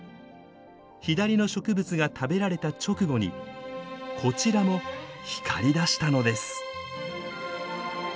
左の植物が食べられた直後にこちらも光りだしたのです。